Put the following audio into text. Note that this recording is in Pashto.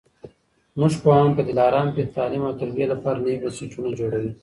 زموږ پوهان په دلارام کي د تعلیم او تربیې لپاره نوي بنسټونه جوړوي.